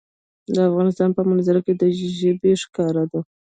د افغانستان په منظره کې ژبې ښکاره ده.